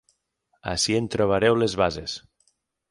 Ací en trobareu les bases.